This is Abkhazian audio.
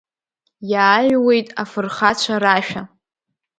Иааҩуеит афырхацәа рашәа.